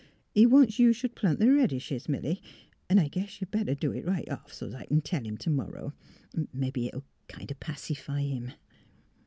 He wants you should plant the red dishes, Milly; 'n' I guess you'd better do it right off, so's I c'n tell him t ' morrow; mebbe it'll kind o' pacify him."